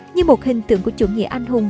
như một hình tượng của chủ nghĩa anh hùng